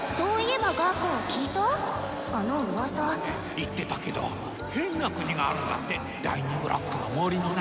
言ってたけど変な国があるんだって第２ブロックの森の中。